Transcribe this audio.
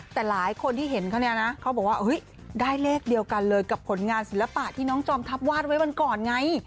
แต่หลายคนที่เห็นเขาเนี่ยนะเขาบอกว่าได้เลขเดียวกันเลยกับผลงานศิลปะที่น้องจอมทัพวาดไว้วันก่อนไง